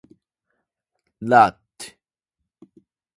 Lat.